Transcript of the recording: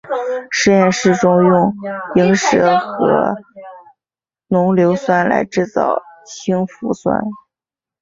实验室中用萤石和浓硫酸来制造氢氟酸。